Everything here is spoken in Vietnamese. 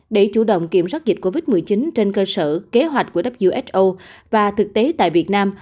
để chủ động kiểm soát dịch covid một mươi chín trên cơ sở kế hoạch của who và thực tế tại việt nam